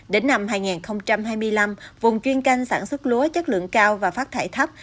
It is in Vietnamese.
đến năm hai nghìn hai mươi năm vùng chuyên canh sản xuất lúa chất lượng cao và phát thải thấp